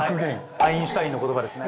アインシュタインの言葉ですね。